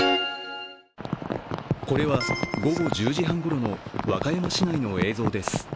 これは午後１０時半ごろの和歌山市内の映像です。